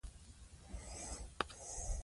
که بیرغچی زخمي سي، نو بیرغ به ولويږي.